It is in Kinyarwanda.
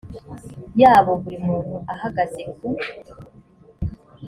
yabo buri muntu ahagaze ku